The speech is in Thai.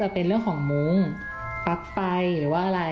มีแต่เสียงตุ๊กแก่กลางคืนไม่กล้าเข้าห้องน้ำด้วยซ้ำ